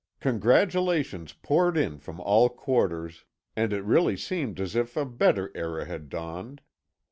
Congratulations poured in from all quarters, and it really seemed as if a better era had dawned.